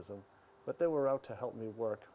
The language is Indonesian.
sambil berjalan di dalam bilik